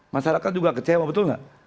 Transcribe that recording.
masyarakat juga kecewa betul nggak